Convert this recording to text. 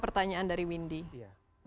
pertanyaan dari windy